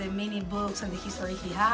dan banyak buku dan sejarah yang dia punya